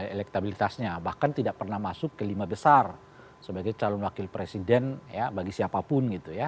elektabilitasnya bahkan tidak pernah masuk ke lima besar sebagai calon wakil presiden ya bagi siapapun gitu ya